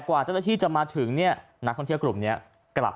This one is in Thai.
กว่าเจ้าหน้าที่จะมาถึงเนี่ยนักท่องเที่ยวกลุ่มนี้กลับ